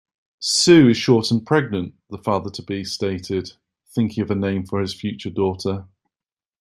"Sue is short and pregnant", the father-to-be stated, thinking of a name for his future daughter.